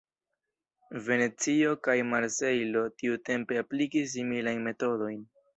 Venecio kaj Marsejlo tiutempe aplikis similajn metodojn.